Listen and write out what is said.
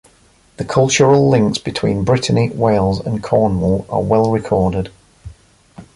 The cultural links between Brittany, Wales and Cornwall are well recorded.